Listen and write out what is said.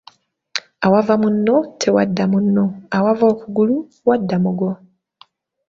Awava munno tewadda munno awava okugulu wadda muggo.